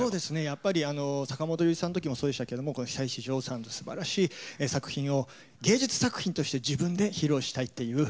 やっぱり坂本龍一さんの時もそうでしたけどもこの久石譲さんというすばらしい作品を芸術作品として自分で披露したいというそういう思いで。